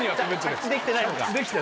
着地できてないのか。